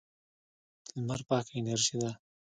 لمر پاکه انرژي ده.